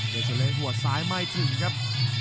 เดินชนเล็กหัวซ้ายไม่ถึงครับ